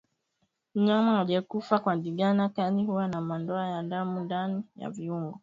Mnyama aliyekufa kwa ndigana kali huwa na madoa ya damu ndani ya viungo